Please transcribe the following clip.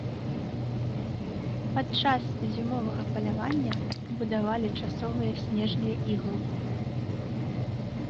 Падчас зімовага палявання будавалі часовыя снежныя іглу.